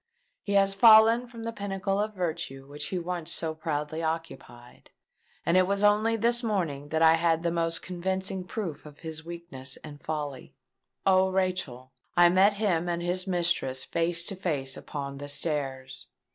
He has fallen from the pinnacle of virtue which he once so proudly occupied; and it was only this morning that I had the most convincing proof of his weakness and folly! O Rachel—I met him and his mistress face to face upon the stairs!